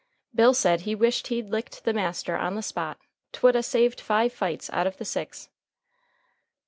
Bill said he wished he'd licked the master on the spot. 'Twould 'a' saved five fights out of the six.